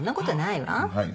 はい。